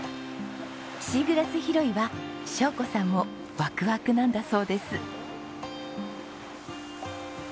シーグラス拾いは晶子さんもワクワクなんだそうです。